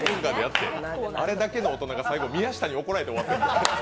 あれだけの大人が最後、宮下に怒られて終わった。